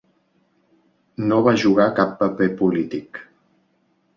No va jugar cap paper polític.